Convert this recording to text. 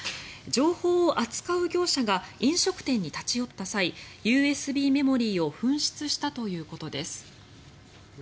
情報を扱う業者が飲食店に立ち寄った際ＵＳＢメモリーを紛失したということです。